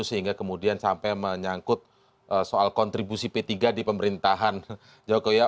sehingga kemudian sampai menyangkut soal kontribusi p tiga di pemerintahan jokowi